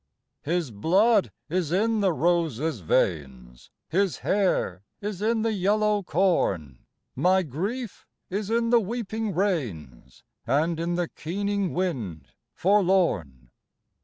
His blood is in the rose's veins, His hair is in the yellow corn. My grief is in the weeping rains And n the keening wind forlorn.